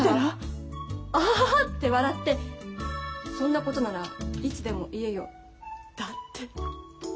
アハハハって笑って「そんなことならいつでも言えよ」だって。